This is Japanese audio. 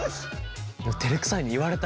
照れくさいね言われたら。